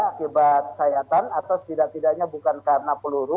akibat sayatan atau setidak tidaknya bukan karena peluru